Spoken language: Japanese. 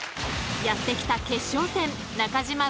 ［やって来た決勝戦］